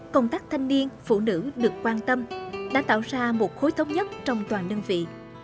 công tác thanh niên phụ nữ được quan tâm đã tạo ra một khối thống nhất trong toàn đơn vị